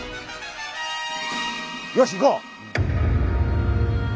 よし行こう！